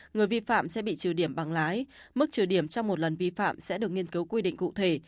người vi phạm sẽ bị trừ điểm bằng lái mức trừ điểm trong một lần vi phạm sẽ được nghiên cứu quy định cụ thể